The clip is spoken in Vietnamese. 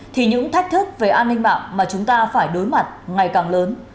thì những thách thức về an ninh mạng mà chúng ta phải đối mặt ngày càng lớn